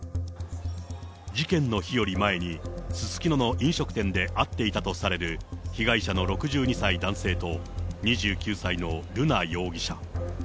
事件の日より前にすすきのの飲食店で会っていたとされる被害者の６２歳男性と、２９歳の瑠奈容疑者。